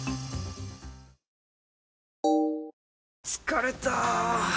疲れた！